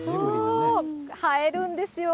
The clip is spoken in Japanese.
映えるんですよ。